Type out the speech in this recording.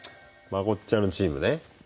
まこっちゃんのチームね。